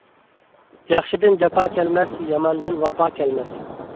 ياخشىدىن جاپا كەلمەس، ياماندىن ۋاپا كەلمەس.